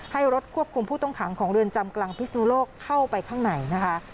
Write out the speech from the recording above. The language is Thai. ให้รถควบคุมผู้ต้องขังของเรือนจำกลางพิศนุโลกเข้าไปข้างในนะคะ